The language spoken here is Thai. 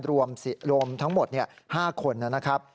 รวมทั้งหมด๕คนนะครับ